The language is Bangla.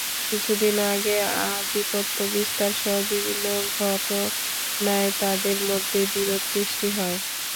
কিছুদিন আগে আধিপত্য বিস্তারসহ বিভিন্ন ঘটনায় তঁাদের মধ্যে বিরোধ সৃষ্টি হয়।